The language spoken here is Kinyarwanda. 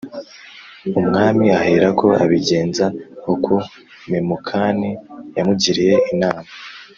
Umwami aherako abigenza uko Memukani yamugiriye inama